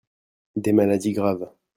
Des maladies graves.